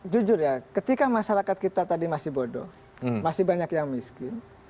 jujur ya ketika masyarakat kita tadi masih bodoh masih banyak yang miskin